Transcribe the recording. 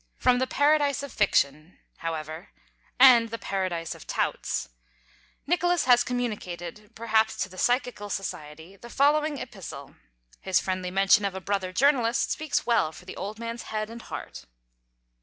From the Paradise of Fiction, however (and the Paradise of Touts), Nicholas has communicated, perhaps to the Psychical Society, the following Epistle. His friendly mention of a brother journalist speaks well for the Old Man's head and heart.